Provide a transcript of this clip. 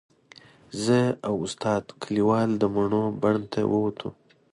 زه او استاد کلیوال د مڼو بڼ ته ووتو.